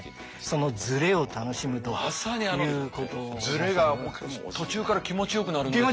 ズレが途中から気持ちよくなるんですよね。